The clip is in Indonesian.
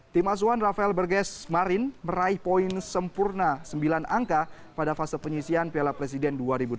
tim asuhan rafael berges marin meraih poin sempurna sembilan angka pada fase penyisian piala presiden dua ribu delapan belas